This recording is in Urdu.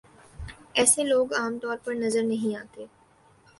ایسے لوگ عام طور پر نظر نہیں آتے ۔